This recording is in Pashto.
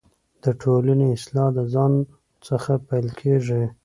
دټولنۍ اصلاح دځان څخه پیل کیږې